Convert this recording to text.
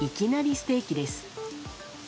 ステーキです。